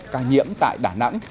ca nhiễm tại đà nẵng